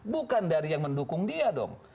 bukan dari yang mendukung dia dong